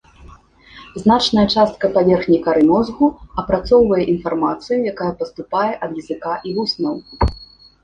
Значная частка паверхні кары мозгу апрацоўвае інфармацыю, якая паступае ад языка і вуснаў.